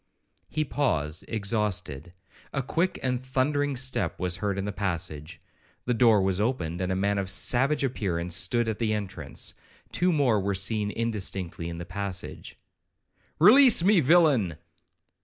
He paused, exhausted,—a quick and thundering step was heard in the passage. The door was opened, and a man of savage appearance stood at the entrance,—two more were seen indistinctly in the passage.—'Release me, villain!'